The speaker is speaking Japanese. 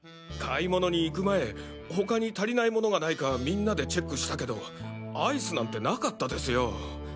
買い物に行く前他に足りない物がないかみんなでチェックしたけどアイスなんてなかったですよ。